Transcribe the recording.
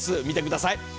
見てください。